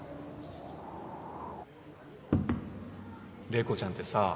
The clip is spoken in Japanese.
麗子ちゃんってさ